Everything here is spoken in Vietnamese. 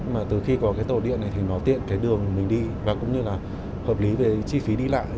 mà từ khi có cái tàu điện này thì nó tiện cái đường mình đi và cũng như là hợp lý về chi phí đi lại